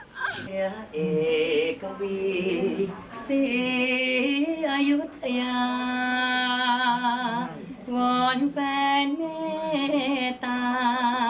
ทางผลทางยังอยู่ยากไลขอฝากตัวฝากใจเอ้วตา